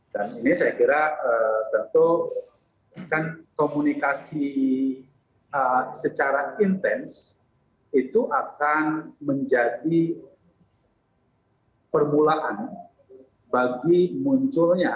ini saya kira tentu kan komunikasi secara intens itu akan menjadi permulaan bagi munculnya